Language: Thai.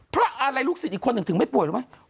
เพราะอะไรลูกศิษย์อีกคนหนึ่งถึงไม่ป่วยรู้ไหม